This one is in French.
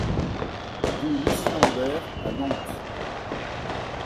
Rue Lucien Aubert à Nantes